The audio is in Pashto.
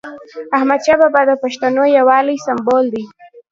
احمدشاه بابا د پښتنو یووالي سمبول دی.